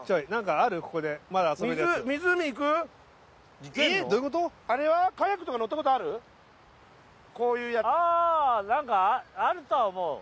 ああなんかあるとは思う。